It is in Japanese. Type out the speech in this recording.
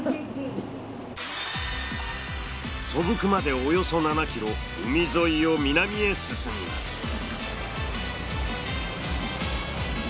曽福までおよそ７ｋｍ海沿いを南へ進みます。